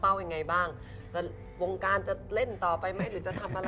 อ๋อจริงป่ะเนี่ยตอนแรกยาวกว่านี้แล้วเพิ่งตัดได้๒อาทิตย์มั้งค่ะ